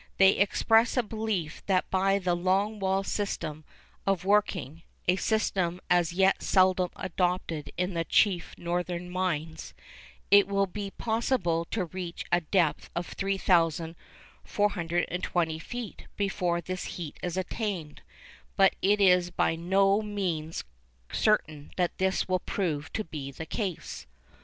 They express a belief that by the 'long wall system' of working (a system as yet seldom adopted in the chief northern mines) it will be possible to reach a depth of 3,420 feet before this heat is attained; but it is by no means certain that this will prove to be the case.